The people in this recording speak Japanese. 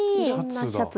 シャツだ。